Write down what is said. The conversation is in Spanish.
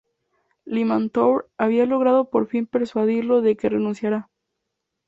Limantour había logrado por fin persuadirlo de que renunciara.